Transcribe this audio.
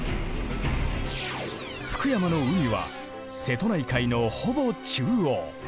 福山の海は瀬戸内海のほぼ中央。